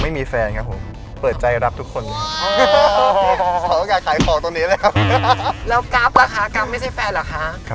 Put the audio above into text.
มันก็ง่ายเนอะ